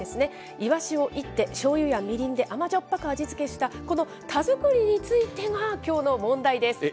イワシをいって、しょうゆやみりんで甘じょっぱく味付けした、この田作りについてが、きょうの問題です。